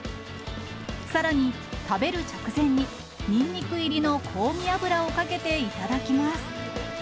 さらに、食べる直前にニンニク入りの香味油をかけていただきます。